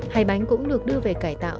hải bánh cũng được đưa về cải tạo